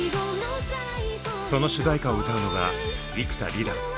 その主題歌を歌うのが幾田りら。